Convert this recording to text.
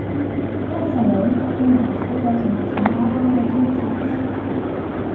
Recently, he has focused much more on Latin jazz.